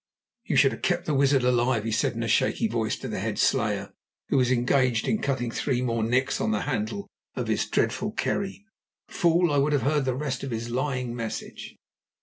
"You should have kept the wizard alive," he said in a shaky voice to the head slayer, who was engaged in cutting three more nicks on the handle of his dreadful kerry. "Fool, I would have heard the rest of his lying message."